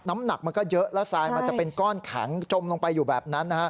น้ำหนักมันก็เยอะแล้วทรายมันจะเป็นก้อนแข็งจมลงไปอยู่แบบนั้น